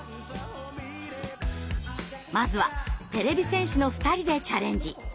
まずはてれび戦士の２人でチャレンジ。